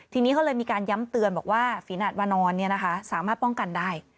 ทีนี้เขาเลยมีการย้ำเตือนบอกว่าฝีนาฏวานอนสามารถป้องกันได้